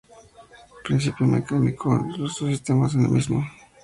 El principio mecánico de los dos sistemas es el mismo.